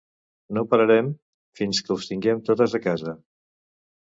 No pararem fins que us tinguem totes a casa!